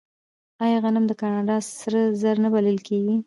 آیا غنم د کاناډا سره زر نه بلل کیږي؟